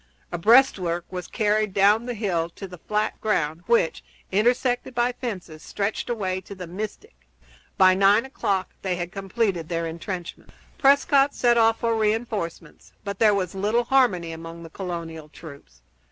A breastwork was carried down the hill to the flat ground which, intersected by fences, stretched away to the Mystic. By nine o'clock they had completed their intrenchments. Prescott sent off for re enforcements, but there was little harmony among the colonial troops.